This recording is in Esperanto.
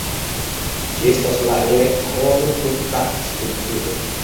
Ĝi estas la elektron-punkta strukturo.